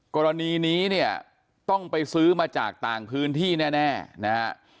กรณีนี้เนี่ยต้องไปซื้อมาจากต่างพื้นที่แน่นะฮะ